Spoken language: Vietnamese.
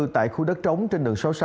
tại khu đất trống trên đường số sáu